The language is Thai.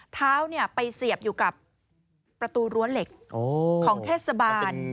เท้าไปเสียบอยู่กับประตูรั้วเหล็กของเทศบาล